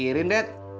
udah kepikirin dad